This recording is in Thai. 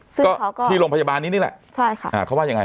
ซึ่งก็ที่โรงพยาบาลนี้นี่แหละใช่ค่ะอ่าเขาว่ายังไง